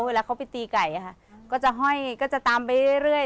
เวลาเขาไปตีไก่ค่ะก็จะห้อยก็จะตามไปเรื่อย